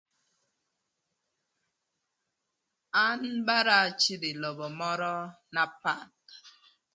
An bara acïdhö ï lobo mörö na path